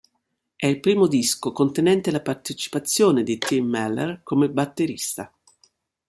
È il primo disco contenente la partecipazione di Tim Mallare come batterista.